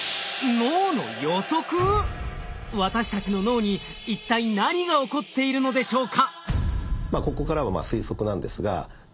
私たちの脳に一体何が起こっているのでしょうか？